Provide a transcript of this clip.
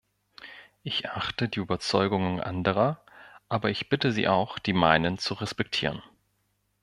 Ich achte die Überzeugungen anderer, aber ich bitte sie auch, die meinen zu respektieren.